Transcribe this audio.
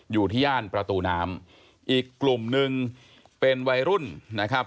อยู่ที่ย่านประตูน้ำอีกกลุ่มนึงเป็นวัยรุ่นนะครับ